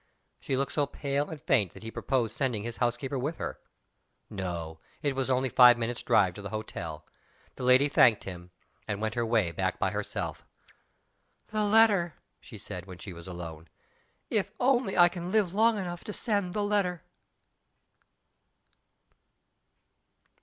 She looked so pale and faint that he proposed sending his housekeeper with her. No: it was only five minutes' drive to the hotel. The lady thanked him and went her way back by herself. "The letter!" she said, when she was alone. "If I can only live long enough to write the letter!"